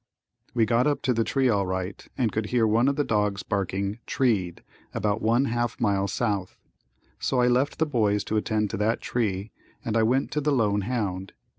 We got up to the tree all right and could hear one of the dogs barking "treed" about one half mile south, so I left the boys to attend to that tree and I went to the lone hound.